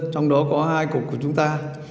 trong đó có hai cục của chúng ta